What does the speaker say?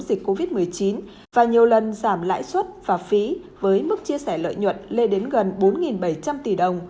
dịch covid một mươi chín và nhiều lần giảm lãi suất và phí với mức chia sẻ lợi nhuận lên đến gần bốn bảy trăm linh tỷ đồng